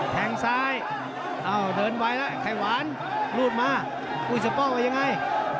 แถงซ้าย